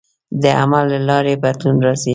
د عمل له لارې بدلون راځي.